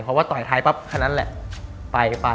เพราะว่าต่อยไทยปั๊บคนนั้นแหละ